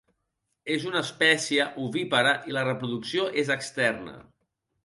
És una espècie ovípara i la reproducció és externa.